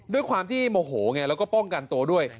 ด้วยความที่โมโหไงแล้วก็ป้องกันตัวด้วย